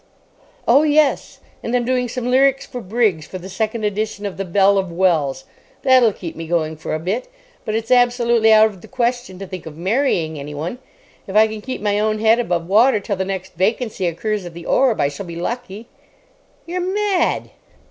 "Oh, yes; and I'm doing some lyrics for Briggs for the second edition of The Belle of Wells. That'll keep me going for a bit, but it's absolutely out of the question to think of marrying anyone. If I can keep my own head above water till the next vacancy occurs at the Orb I shall be lucky." "You're mad."